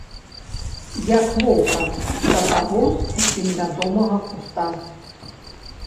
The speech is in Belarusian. Як воўка да таго, усім вядомага куста.